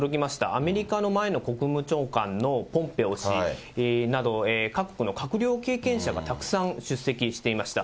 アメリカの前の国務長官のポンペオ氏など、各国の閣僚関係者がたくさん出席していました。